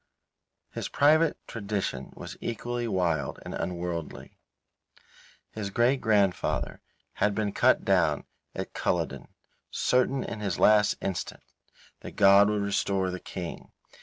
His private tradition was equally wild and unworldly. His great grandfather had been cut down at Culloden, certain in his last instant that God would restore the King.